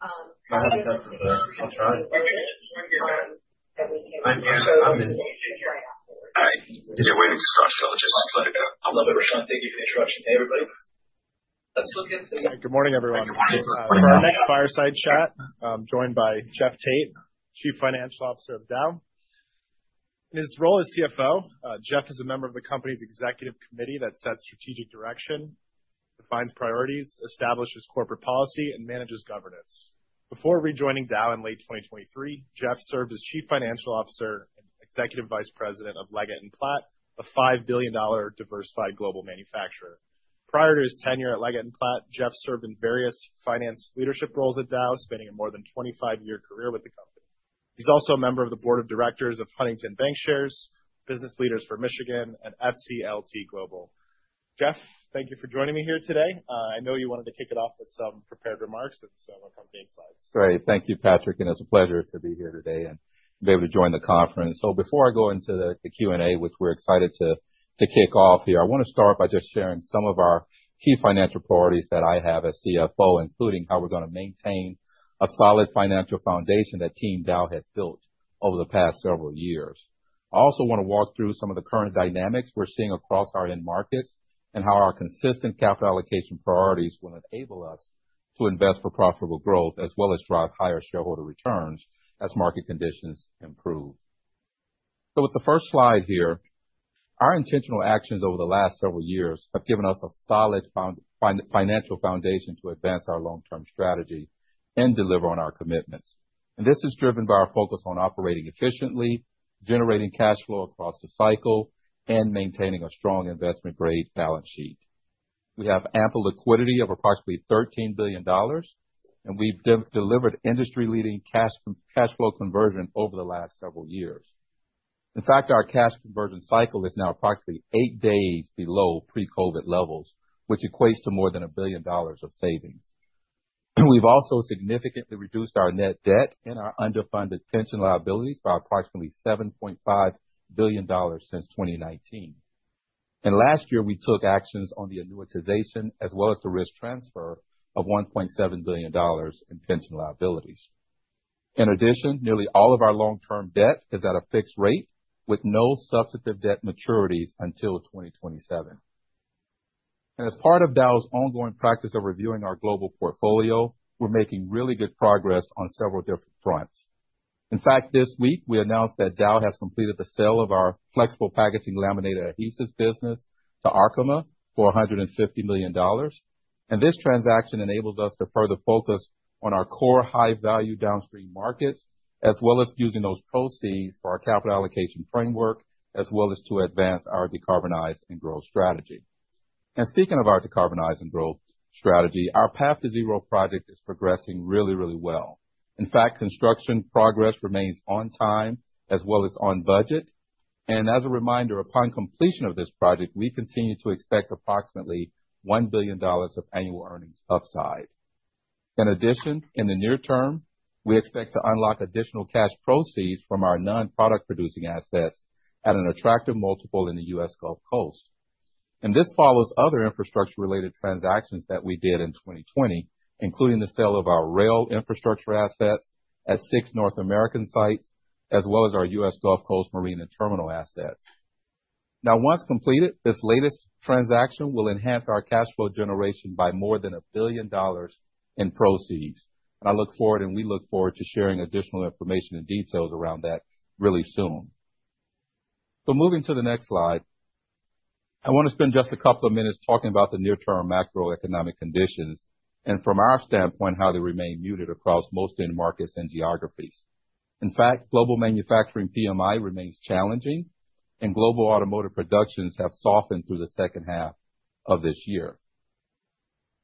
I'm here. I'm in. Hi. Is your waving to start? Just a second. I love it, Ruchita. Thank you for the introduction. Hey, everybody. Let's look at the. Good morning, everyone. Good morning. For our next fireside chat, I'm joined by Jeff Tate, Chief Financial Officer of Dow. In his role as CFO, Jeff is a member of the company's executive committee that sets strategic direction, defines priorities, establishes corporate policy, and manages governance. Before rejoining Dow in late 2023, Jeff served as Chief Financial Officer and Executive Vice President of Leggett & Platt, a $5 billion diversified global manufacturer. Prior to his tenure at Leggett & Platt, Jeff served in various finance leadership roles at Dow, spending a more than 25-year career with the company. He's also a member of the board of directors of Huntington Bancshares, Business Leaders for Michigan, and FCLTGlobal. Jeff, thank you for joining me here today. I know you wanted to kick it off with some prepared remarks and some accompanying slides. Great. Thank you, Patrick. And it's a pleasure to be here today and be able to join the conference. So before I go into the Q&A, which we're excited to kick off here, I want to start by just sharing some of our key financial priorities that I have as CFO, including how we're going to maintain a solid financial foundation that Team Dow has built over the past several years. I also want to walk through some of the current dynamics we're seeing across our end markets and how our consistent capital allocation priorities will enable us to invest for profitable growth, as well as drive higher shareholder returns as market conditions improve. So with the first slide here, our intentional actions over the last several years have given us a solid financial foundation to advance our long-term strategy and deliver on our commitments. And this is driven by our focus on operating efficiently, generating cash flow across the cycle, and maintaining a strong investment-grade balance sheet. We have ample liquidity of approximately $13 billion, and we've delivered industry-leading cash flow conversion over the last several years. In fact, our cash conversion cycle is now approximately eight days below pre-COVID levels, which equates to more than a billion dollars of savings. We've also significantly reduced our net debt and our underfunded pension liabilities by approximately $7.5 billion since 2019. And last year, we took actions on the annuitization, as well as the risk transfer of $1.7 billion in pension liabilities. In addition, nearly all of our long-term debt is at a fixed rate with no substantive debt maturities until 2027. And as part of Dow's ongoing practice of reviewing our global portfolio, we're making really good progress on several different fronts. In fact, this week, we announced that Dow has completed the sale of our flexible packaging laminating adhesives business to Arkema for $150 million, and this transaction enables us to further focus on our core high-value downstream markets, as well as using those proceeds for our capital allocation framework, as well as to advance our decarbonize and growth strategy, and speaking of our decarbonize and growth strategy, our Path to Zero project is progressing really, really well. In fact, construction progress remains on time as well as on budget, and as a reminder, upon completion of this project, we continue to expect approximately $1 billion of annual earnings upside. In addition, in the near term, we expect to unlock additional cash proceeds from our non-product producing assets at an attractive multiple in the U.S. Gulf Coast. And this follows other infrastructure-related transactions that we did in 2020, including the sale of our rail infrastructure assets at six North American sites, as well as our U.S. Gulf Coast marine terminal assets. Now, once completed, this latest transaction will enhance our cash flow generation by more than $1 billion in proceeds. And I look forward, and we look forward to sharing additional information and details around that really soon. So moving to the next slide, I want to spend just a couple of minutes talking about the near-term macroeconomic conditions and, from our standpoint, how they remain muted across most end markets and geographies. In fact, global manufacturing PMI remains challenging, and global automotive productions have softened through the second half of this year.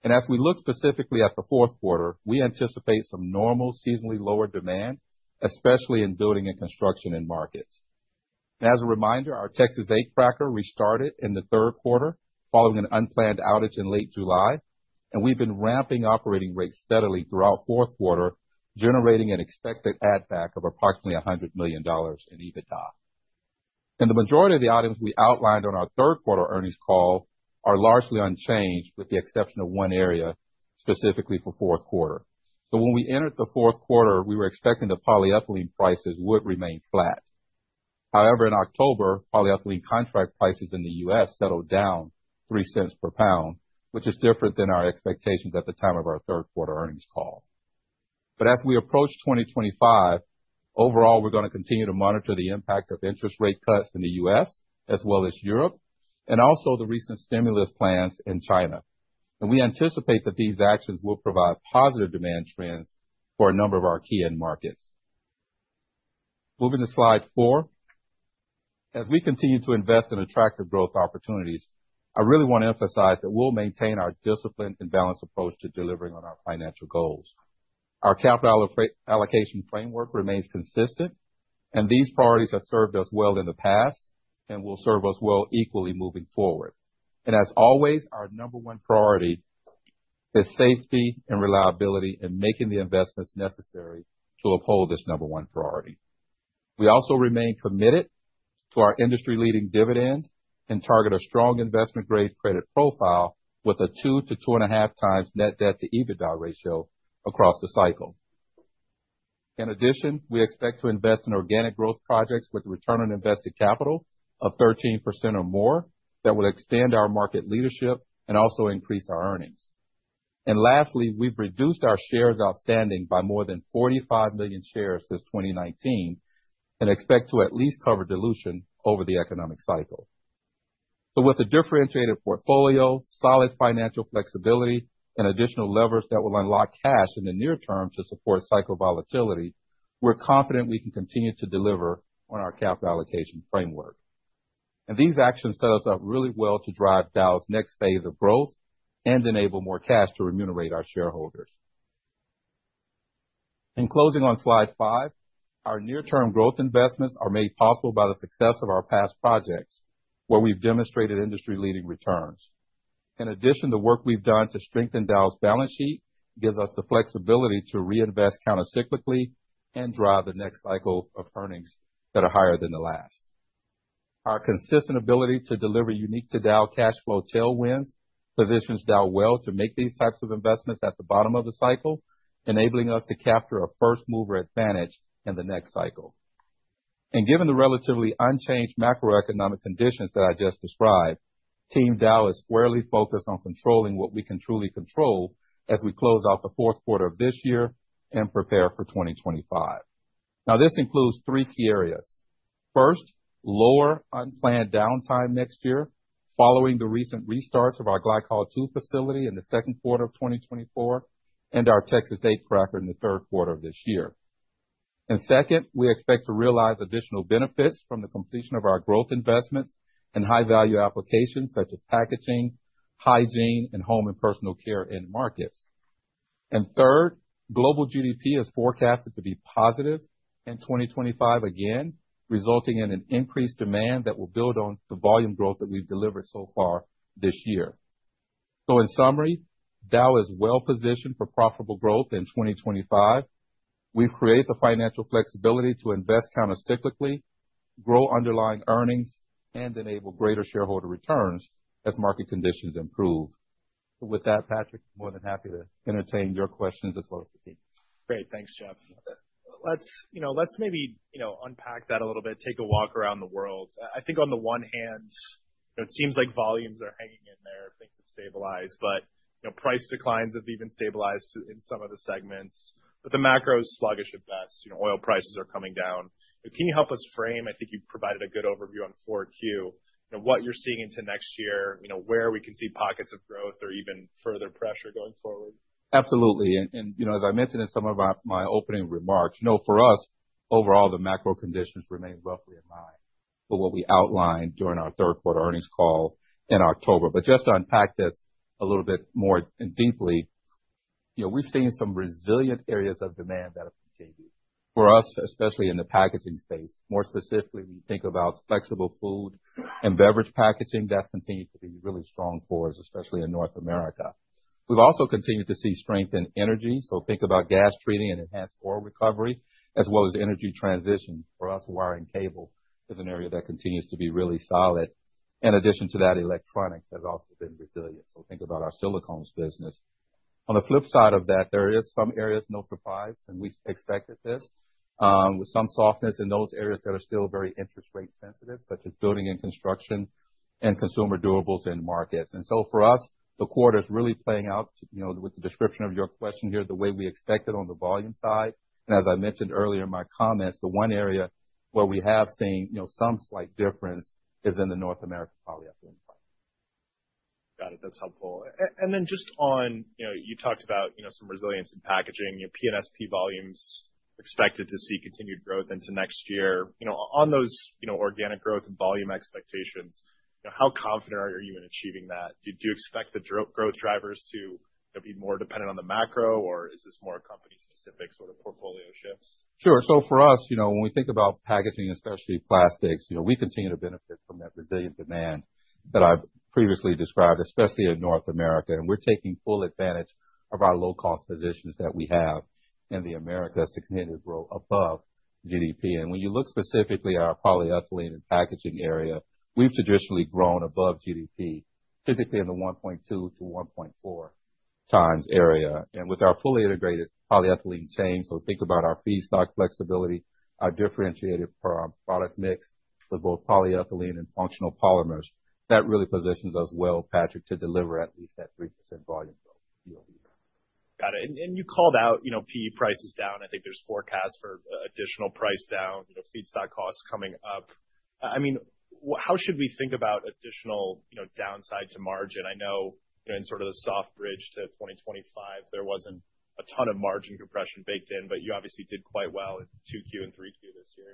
And as we look specifically at the Q4, we anticipate some normal seasonally lower demand, especially in building and construction markets. As a reminder, our Texas-8 cracker restarted in the Q3 following an unplanned outage in late July. We've been ramping operating rates steadily throughout Q4, generating an expected add-back of approximately $100 million in EBITDA. The majority of the items we outlined on our Q3 Earnings Call are largely unchanged, with the exception of one area specifically for Q4. When we entered the Q4, we were expecting the polyethylene prices would remain flat. However, in October, polyethylene contract prices in the U.S. settled down $0.03 per pound, which is different than our expectations at the time of our Q3 Earnings Call. As we approach 2025, overall, we're going to continue to monitor the impact of interest rate cuts in the U.S. as well as Europe and also the recent stimulus plans in China. We anticipate that these actions will provide positive demand trends for a number of our key end markets. Moving to slide four. As we continue to invest in attractive growth opportunities, I really want to emphasize that we'll maintain our disciplined and balanced approach to delivering on our financial goals. Our capital allocation framework remains consistent, and these priorities have served us well in the past and will serve us well equally moving forward. As always, our number one priority is safety and reliability in making the investments necessary to uphold this number one priority. We also remain committed to our industry-leading dividend and target a strong investment-grade credit profile with a 2-2.5 times net debt to EBITDA ratio across the cycle. In addition, we expect to invest in organic growth projects with a return on invested capital of 13% or more that will extend our market leadership and also increase our earnings. And lastly, we've reduced our shares outstanding by more than 45 million shares since 2019 and expect to at least cover dilution over the economic cycle. So with a differentiated portfolio, solid financial flexibility, and additional levers that will unlock cash in the near term to support cycle volatility, we're confident we can continue to deliver on our capital allocation framework. And these actions set us up really well to drive Dow's next phase of growth and enable more cash to remunerate our shareholders. In closing on slide five, our near-term growth investments are made possible by the success of our past projects, where we've demonstrated industry-leading returns. In addition, the work we've done to strengthen Dow's balance sheet gives us the flexibility to reinvest countercyclically and drive the next cycle of earnings that are higher than the last. Our consistent ability to deliver unique to Dow cash flow tailwinds positions Dow well to make these types of investments at the bottom of the cycle, enabling us to capture a first-mover advantage in the next cycle. And given the relatively unchanged macroeconomic conditions that I just described, Team Dow is squarely focused on controlling what we can truly control as we close out the Q4 of this year and prepare for 2025. Now, this includes three key areas. First, lower unplanned downtime next year following the recent restarts of our Glycol II facility in the Q2 of 2024 and our Texas-8 Cracker in the Q3 of this year. And second, we expect to realize additional benefits from the completion of our growth investments and high-value applications such as packaging, hygiene, and home and personal care end markets. And third, global GDP is forecasted to be positive in 2025 again, resulting in an increased demand that will build on the volume growth that we've delivered so far this year. So in summary, Dow is well positioned for profitable growth in 2025. We've created the financial flexibility to invest countercyclically, grow underlying earnings, and enable greater shareholder returns as market conditions improve. With that, Patrick, I'm more than happy to entertain your questions as well as the team. Great. Thanks, Jeff. Let's maybe unpack that a little bit, take a walk around the world. I think on the one hand, it seems like volumes are hanging in there. Things have stabilized, but price declines have even stabilized in some of the segments. But the macro is sluggish at best. Oil prices are coming down. Can you help us frame? I think you've provided a good overview on Q4, what you're seeing into next year, where we can see pockets of growth or even further pressure going forward. Absolutely. And as I mentioned in some of my opening remarks, for us, overall, the macro conditions remain roughly in line with what we outlined during our Q3 Earnings Call in October. But just to unpack this a little bit more deeply, we've seen some resilient areas of demand that have continued. For us, especially in the packaging space, more specifically, when you think about flexible food and beverage packaging, that's continued to be really strong for us, especially in North America. We've also continued to see strength in energy. So think about gas treating and enhanced oil recovery, as well as energy transition. For us, wire and cable is an area that continues to be really solid. In addition to that, electronics has also been resilient. So think about our silicones business. On the flip side of that, there are some areas, no surprise, and we expected this, with some softness in those areas that are still very interest rate sensitive, such as building and construction and consumer durables end markets. And so for us, the quarter is really playing out with the description of your question here, the way we expect it on the volume side. And as I mentioned earlier in my comments, the one area where we have seen some slight difference is in the North American polyethylene packaging. Got it. That's helpful, and then just on, you talked about some resilience in packaging. P&SP volumes expected to see continued growth into next year. On those organic growth and volume expectations, how confident are you in achieving that? Do you expect the growth drivers to be more dependent on the macro, or is this more a company-specific sort of portfolio shifts? Sure. So for us, when we think about packaging, especially plastics, we continue to benefit from that resilient demand that I've previously described, especially in North America. And we're taking full advantage of our low-cost positions that we have in the Americas to continue to grow above GDP. And when you look specifically at our polyethylene and packaging area, we've traditionally grown above GDP, typically in the 1.2-1.4 times area. And with our fully integrated polyethylene chain, so think about our feedstock flexibility, our differentiated product mix with both polyethylene and functional polymers, that really positions us well, Patrick, to deliver at least that 3% volume growth. Got it. And you called out PE prices down. I think there's forecasts for additional price down, feedstock costs coming up. I mean, how should we think about additional downside to margin? I know in sort of the soft bridge to 2025, there wasn't a ton of margin compression baked in, but you obviously did quite well in 2Q and 3Q this year.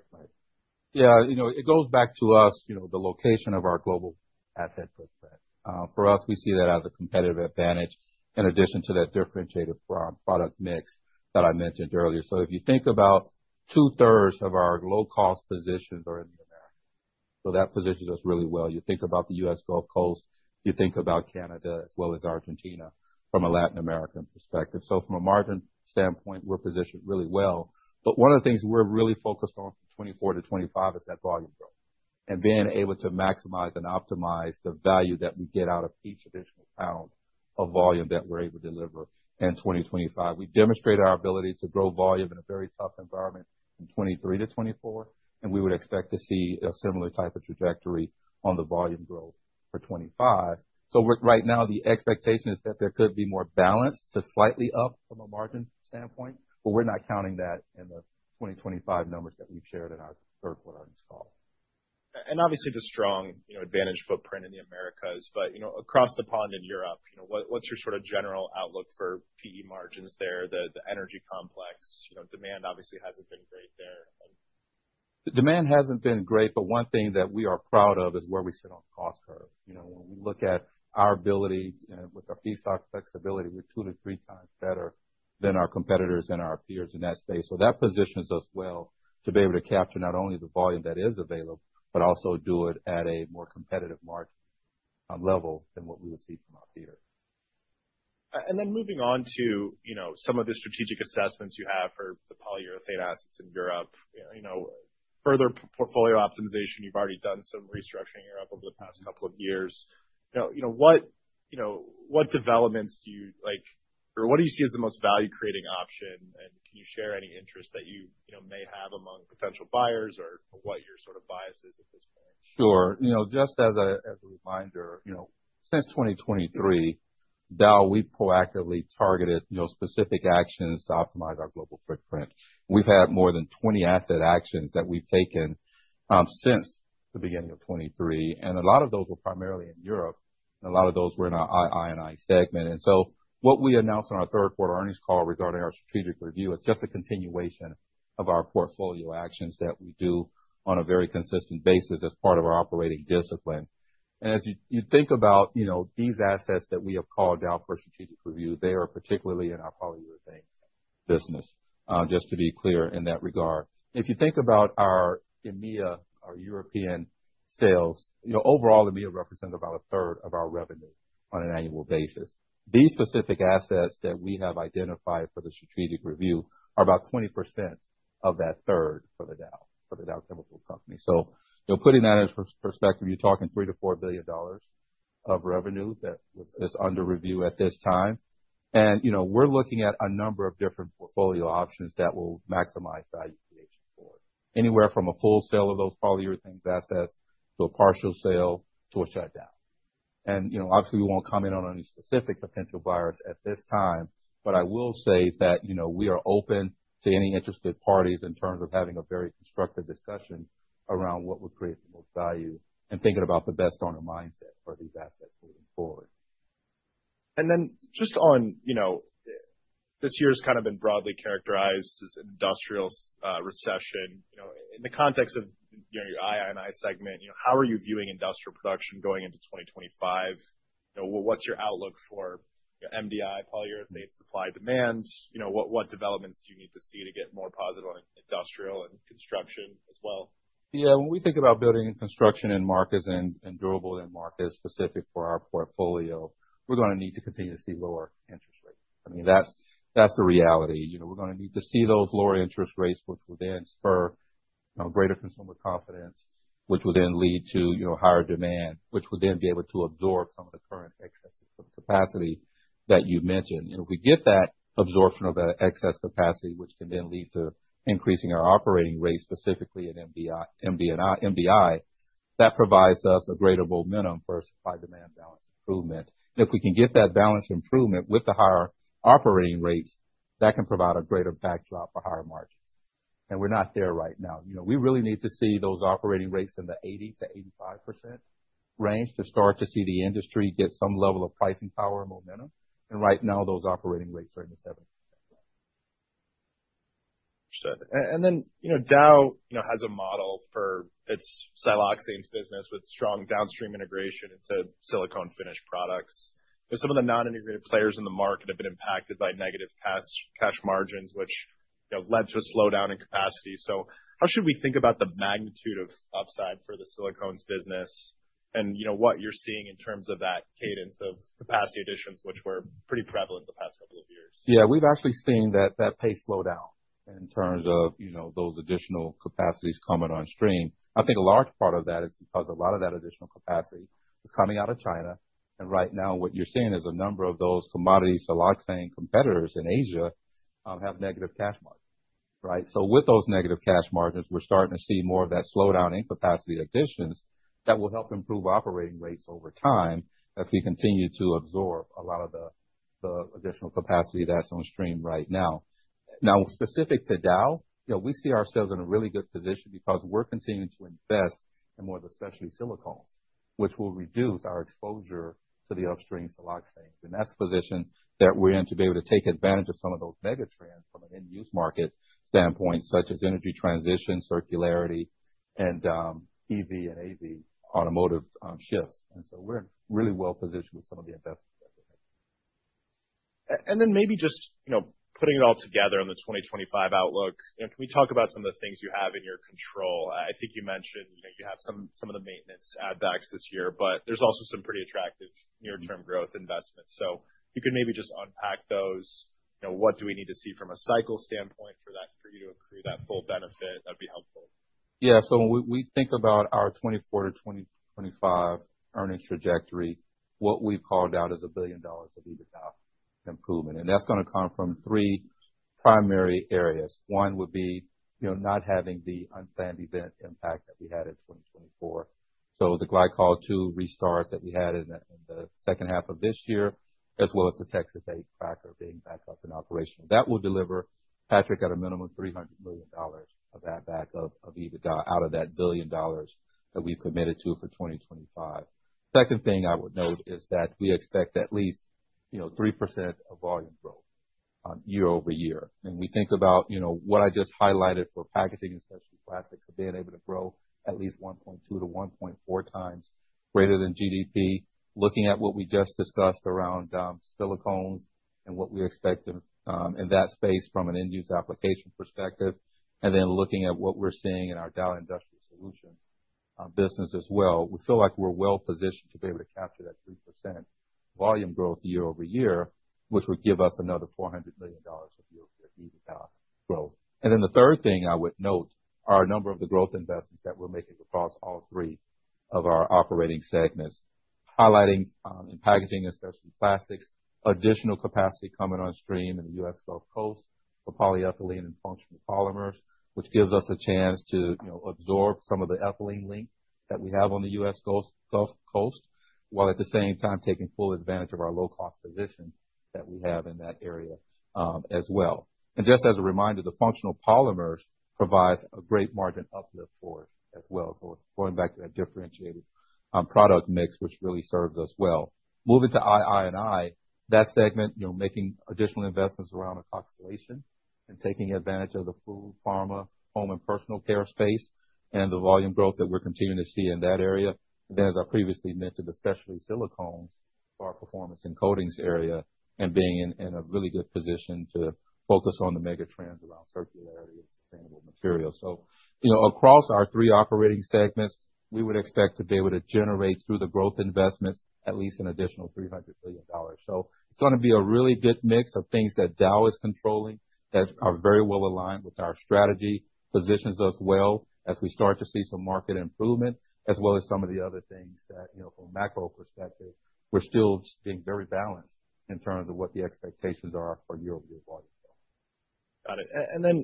Yeah. It goes back to us, the location of our global asset footprint. For us, we see that as a competitive advantage in addition to that differentiated product mix that I mentioned earlier. So if you think about two-thirds of our low-cost positions are in the Americas. So that positions us really well. You think about the U.S. Gulf Coast, you think about Canada as well as Argentina from a Latin American perspective. So from a margin standpoint, we're positioned really well. But one of the things we're really focused on from 2024 to 2025 is that volume growth and being able to maximize and optimize the value that we get out of each additional pound of volume that we're able to deliver in 2025. We demonstrated our ability to grow volume in a very tough environment from 2023 to 2024, and we would expect to see a similar type of trajectory on the volume growth for 2025. Right now, the expectation is that there could be more balance to slightly up from a margin standpoint, but we're not counting that in the 2025 numbers that we've shared in our Q3 Earnings Call. And obviously the strong advantage footprint in the Americas. But across the pond in Europe, what's your sort of general outlook for PE margins there? The energy complex demand obviously hasn't been great there. The demand hasn't been great, but one thing that we are proud of is where we sit on the cost curve. When we look at our ability with our feedstock flexibility, we're two to three times better than our competitors and our peers in that space. So that positions us well to be able to capture not only the volume that is available, but also do it at a more competitive market level than what we would see from our peers. And then moving on to some of the strategic assessments you have for the polyurethane assets in Europe, further portfolio optimization. You've already done some restructuring in Europe over the past couple of years. What developments do you, or what do you see as the most value-creating option? And can you share any interest that you may have among potential buyers or what your sort of bias is at this point? Sure. Just as a reminder, since 2023, Dow, we've proactively targeted specific actions to optimize our global footprint. We've had more than 20 asset actions that we've taken since the beginning of 2023, and a lot of those were primarily in Europe, and a lot of those were in our II&I segment. So what we announced on our Q3 Earnings Call regarding our strategic review is just a continuation of our portfolio actions that we do on a very consistent basis as part of our operating discipline. As you think about these assets that we have called out for strategic review, they are particularly in our polyurethane business, just to be clear in that regard. If you think about our EMEA, our European sales, overall, EMEA represents about a third of our revenue on an annual basis. These specific assets that we have identified for the strategic review are about 20% of that third for the Dow Chemical Company, so putting that in perspective, you're talking $3-$4 billion of revenue that is under review at this time, and we're looking at a number of different portfolio options that will maximize value creation for anywhere from a full sale of those polyurethane assets to a partial sale to a shutdown, and obviously, we won't comment on any specific potential buyers at this time, but I will say that we are open to any interested parties in terms of having a very constructive discussion around what would create the most value and thinking about the best owner mindset for these assets moving forward. And then just on, this year has kind of been broadly characterized as an industrial recession. In the context of your II and I segment, how are you viewing industrial production going into 2025? What's your outlook for MDI, polyurethane supply demands? What developments do you need to see to get more positive on industrial and construction as well? Yeah. When we think about building and construction end markets and durable end markets specific for our portfolio, we're going to need to continue to see lower interest rates. I mean, that's the reality. We're going to need to see those lower interest rates, which will then spur greater consumer confidence, which will then lead to higher demand, which will then be able to absorb some of the current excess capacity that you mentioned. If we get that absorption of that excess capacity, which can then lead to increasing our operating rates specifically in MDI, that provides us a greater momentum for supply-demand balance improvement. If we can get that balance improvement with the higher operating rates, that can provide a greater backdrop for higher margins. And we're not there right now. We really need to see those operating rates in the 80%-85% range to start to see the industry get some level of pricing power momentum, and right now, those operating rates are in the 70% range. Understood. And then Dow has a model for its siloxane business with strong downstream integration into silicone-finished products. Some of the non-integrated players in the market have been impacted by negative cash margins, which led to a slowdown in capacity. So how should we think about the magnitude of upside for the silicones business and what you're seeing in terms of that cadence of capacity additions, which were pretty prevalent the past couple of years? Yeah. We've actually seen that pace slow down in terms of those additional capacities coming on stream. I think a large part of that is because a lot of that additional capacity is coming out of China. And right now, what you're seeing is a number of those commodity siloxane competitors in Asia have negative cash margins. So with those negative cash margins, we're starting to see more of that slowdown in capacity additions that will help improve operating rates over time as we continue to absorb a lot of the additional capacity that's on stream right now. Now, specific to Dow, we see ourselves in a really good position because we're continuing to invest in more of the specialty silicones, which will reduce our exposure to the upstream siloxane. That's a position that we're in to be able to take advantage of some of those megatrends from an end-use market standpoint, such as energy transition, circularity, and EV and AV automotive shifts. We're really well positioned with some of the investments that we have. And then, maybe just putting it all together on the 2025 outlook, can we talk about some of the things you have in your control? I think you mentioned you have some of the maintenance add-backs this year, but there's also some pretty attractive near-term growth investments. So if you could maybe just unpack those, what do we need to see from a cycle standpoint for you to accrue that full benefit? That'd be helpful. Yeah. So when we think about our 2024 to 2025 earnings trajectory, what we've called out is $1 billion of EBITDA improvement. And that's going to come from three primary areas. One would be not having the unplanned event impact that we had in 2024. So the Glycol II restart that we had in the second half of this year, as well as the Texas-8 cracker being back up and operational. That will deliver, Patrick, at a minimum of $300 million of that makeup of EBITDA out of that $1 billion that we've committed to for 2025. Second thing I would note is that we expect at least 3% of volume growth year over year. We think about what I just highlighted for packaging and specialty plastics of being able to grow at least 1.2-1.4 times greater than GDP, looking at what we just discussed around silicones and what we expect in that space from an end-use application perspective, and then looking at what we're seeing in our Dow Industrial Solutions business as well. We feel like we're well positioned to be able to capture that 3% volume growth year over year, which would give us another $400 million of year-over-year EBITDA growth. Then the third thing I would note are a number of the growth investments that we're making across all three of our operating segments, highlighting in packaging and specialty plastics, additional capacity coming on stream in the U.S. Gulf Coast for polyethylene and functional polymers, which gives us a chance to absorb some of the ethylene glut that we have on the U.S. Gulf Coast, while at the same time taking full advantage of our low-cost position that we have in that area as well. And just as a reminder, the functional polymers provide a great margin uplift for us as well. So going back to that differentiated product mix, which really serves us well. Moving to II&I, that segment, making additional investments around alkylation and taking advantage of the food, pharma, home, and personal care space and the volume growth that we're continuing to see in that area. And then, as I previously mentioned, especially silicones for our performance in coatings area and being in a really good position to focus on the megatrends around circularity and sustainable materials. So across our three operating segments, we would expect to be able to generate through the growth investments at least an additional $300 million. So it's going to be a really good mix of things that Dow is controlling that are very well aligned with our strategy, positions us well as we start to see some market improvement, as well as some of the other things that from a macro perspective, we're still being very balanced in terms of what the expectations are for year-over-year volume growth. Got it. And then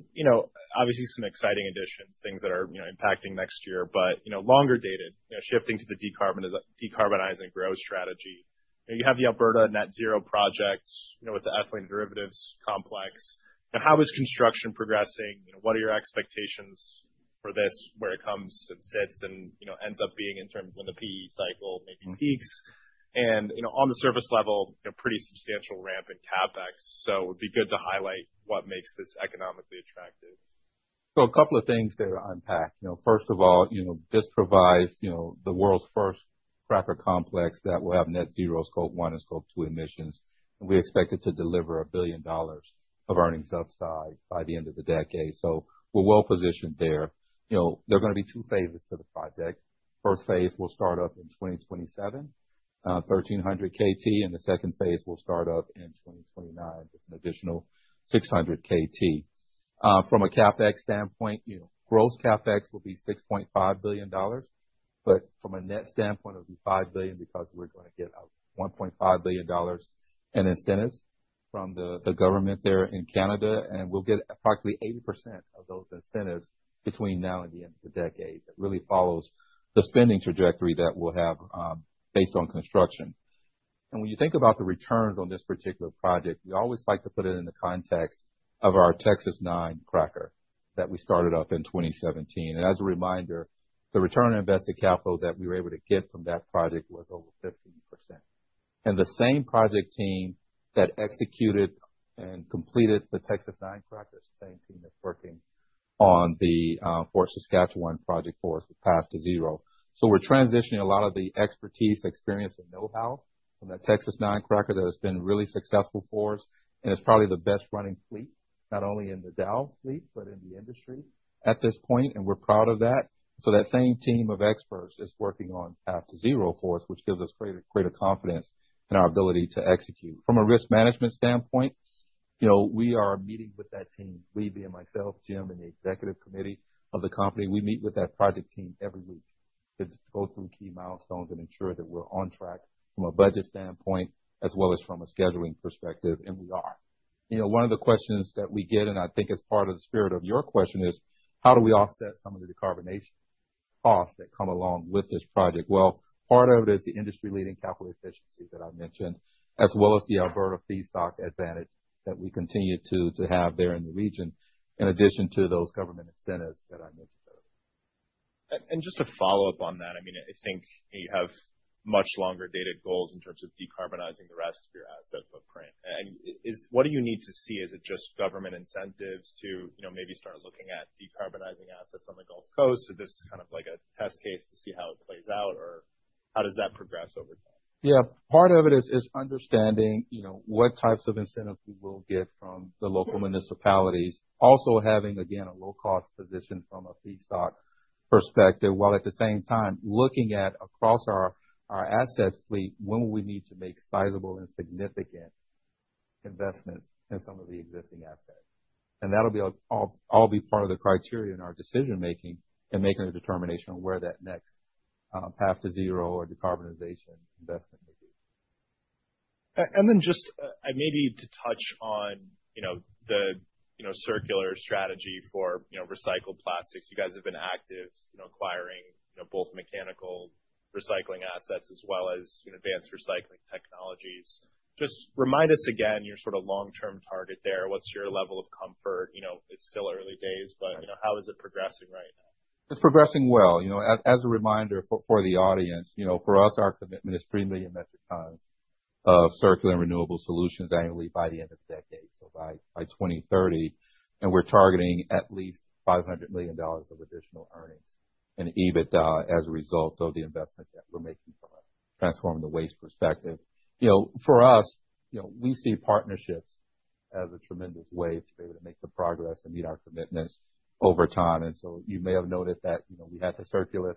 obviously some exciting additions, things that are impacting next year, but longer dated, shifting to the decarbonizing growth strategy. You have the Alberta net-zero project with the ethylene derivatives complex. How is construction progressing? What are your expectations for this where it comes and sits and ends up being in terms of when the PE cycle maybe peaks? And on the surface level, pretty substantial ramp in CapEx. So it would be good to highlight what makes this economically attractive. A couple of things there to unpack. First of all, this provides the world's first cracker complex that will have net-zero Scope 1 and Scope 2 emissions. We expect it to deliver $1 billion of earnings upside by the end of the decade. We're well positioned there. There are going to be two phases to the project. Phase I will start up in 2027, 1,300 KT. The Phase II will start up in 2029 with an additional 600 KT. From a CapEx standpoint, gross CapEx will be $6.5 billion. From a net standpoint, it'll be $5 billion because we're going to get $1.5 billion in incentives from the government there in Canada. We'll get approximately 80% of those incentives between now and the end of the decade. It really follows the spending trajectory that we'll have based on construction. When you think about the returns on this particular project, we always like to put it in the context of our Texas-9 cracker that we started up in 2017. As a reminder, the return on invested capital that we were able to get from that project was over 15%. The same project team that executed and completed the Texas-9 cracker, same team that's working on the Fort Saskatchewan project for us, Path to Zero. We're transitioning a lot of the expertise, experience, and know-how from that Texas-9 cracker that has been really successful for us. It's probably the best running fleet, not only in the Dow fleet, but in the industry at this point. We're proud of that. So that same team of experts is working on Path to Zero for us, which gives us greater confidence in our ability to execute. From a risk management standpoint, we are meeting with that team, and myself, Jim, and the executive committee of the company. We meet with that project team every week to go through key milestones and ensure that we're on track from a budget standpoint as well as from a scheduling perspective, and we are. One of the questions that we get, and I think as part of the spirit of your question, is how do we offset some of the decarbonization costs that come along with this project? Part of it is the industry-leading capital efficiency that I mentioned, as well as the Alberta feedstock advantage that we continue to have there in the region, in addition to those government incentives that I mentioned earlier. And just to follow up on that, I mean, I think you have much longer dated goals in terms of decarbonizing the rest of your asset footprint. And what do you need to see? Is it just government incentives to maybe start looking at decarbonizing assets on the Gulf Coast? So this is kind of like a test case to see how it plays out or how does that progress over time? Yeah. Part of it is understanding what types of incentives we will get from the local municipalities, also having, again, a low-cost position from a feedstock perspective, while at the same time looking at across our asset fleet, when will we need to make sizable and significant investments in some of the existing assets? And that'll all be part of the criteria in our decision-making and making a determination on where that next Path to Zero or decarbonization investment will be. And then just maybe to touch on the circular strategy for recycled plastics, you guys have been active acquiring both mechanical recycling assets as well as advanced recycling technologies. Just remind us again your sort of long-term target there. What's your level of comfort? It's still early days, but how is it progressing right now? It's progressing well. As a reminder for the audience, for us, our commitment is three million metric tons of circular renewable solutions annually by the end of the decade, so by 2030. And we're targeting at least $500 million of additional earnings in EBITDA as a result of the investments that we're making from a transforming the waste perspective. For us, we see partnerships as a tremendous way to be able to make the progress and meet our commitments over time. And so you may have noted that we had the Circulus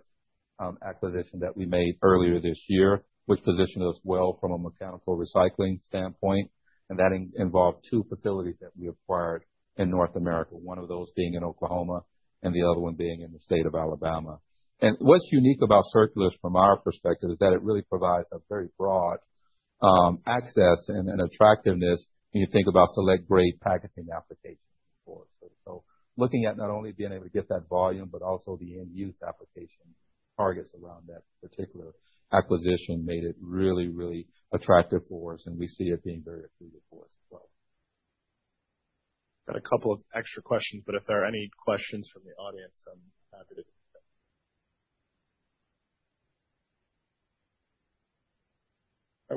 acquisition that we made earlier this year, which positioned us well from a mechanical recycling standpoint. And that involved two facilities that we acquired in North America, one of those being in Oklahoma and the other one being in the state of Alabama. And what's unique about Circulus from our perspective is that it really provides a very broad access and attractiveness when you think about select-grade packaging applications for us. So looking at not only being able to get that volume, but also the end-use application targets around that particular acquisition made it really, really attractive for us. And we see it being very attractive for us as well. Got a couple of extra questions, but if there are any questions from the audience, I'm happy to take them.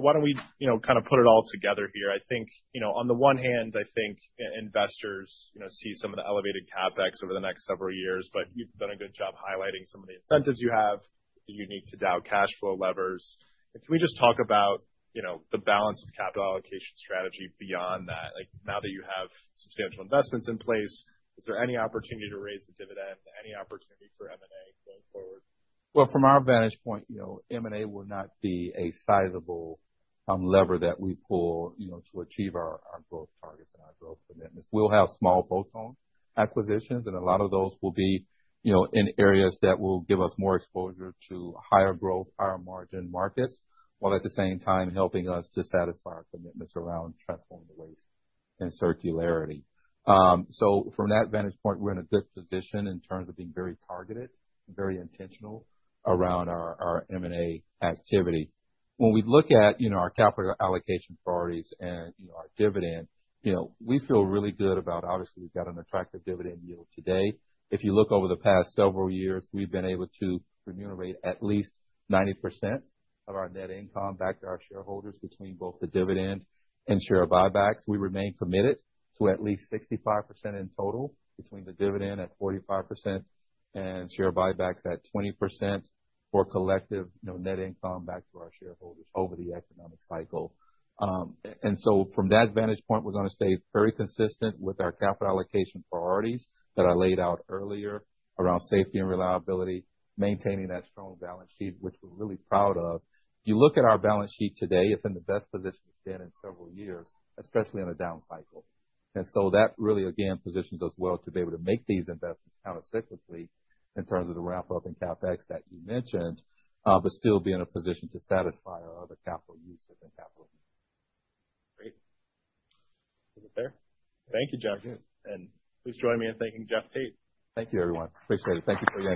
Why don't we kind of put it all together here? I think on the one hand, I think investors see some of the elevated CapEx over the next several years, but you've done a good job highlighting some of the incentives you have. Unique to Dow cash flow levers. Can we just talk about the balance of capital allocation strategy beyond that? Now that you have substantial investments in place, is there any opportunity to raise the dividend, any opportunity for M&A going forward? From our vantage point, M&A will not be a sizable lever that we pull to achieve our growth targets and our growth commitments. We'll have small bolt-on acquisitions, and a lot of those will be in areas that will give us more exposure to higher growth, higher margin markets, while at the same time helping us to satisfy our commitments around transforming the waste and circularity. From that vantage point, we're in a good position in terms of being very targeted and very intentional around our M&A activity. When we look at our capital allocation priorities and our dividend, we feel really good about, obviously, we've got an attractive dividend yield today. If you look over the past several years, we've been able to remunerate at least 90% of our net income back to our shareholders between both the dividend and share buybacks. We remain committed to at least 65% in total between the dividend at 45% and share buybacks at 20% for collective net income back to our shareholders over the economic cycle. And so from that vantage point, we're going to stay very consistent with our capital allocation priorities that I laid out earlier around safety and reliability, maintaining that strong balance sheet, which we're really proud of. If you look at our balance sheet today, it's in the best position it's been in several years, especially in a down cycle. And so that really, again, positions us well to be able to make these investments countercyclically in terms of the ramp-up and CapEx that you mentioned, but still be in a position to satisfy our other capital uses and capital needs. Great. Is it there? Thank you, John. And please join me in thanking Jeff Tate. Thank you, everyone. Appreciate it. Thank you for your.